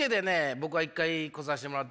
僕は一回来させてもらって。